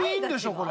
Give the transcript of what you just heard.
これ。